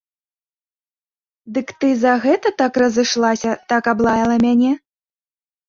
Дык ты за гэта так разышлася, так аблаяла мяне?